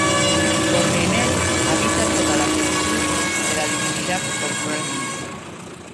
Porque en él habita toda la plenitud de la divinidad corporalmente: